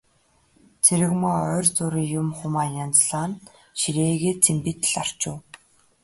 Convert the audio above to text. Цэрэгмаа ойр зуурын юм, хумаа янзлан ширээгээ цэмбийтэл арчив.